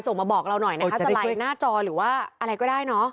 มาบอกเราหน่อยนะคะสไลด์หน้าจอหรือว่าอะไรก็ได้เนอะ